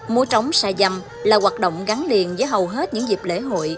mua trống xà dầm là hoạt động gắn liền với hầu hết những dịp lễ hội